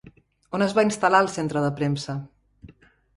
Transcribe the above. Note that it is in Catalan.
On es va instal·lar el centre de premsa?